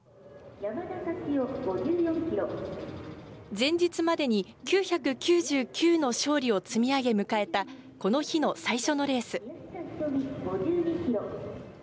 前日までに９９９の勝利を積み上げ迎えたこの日の最初のレース。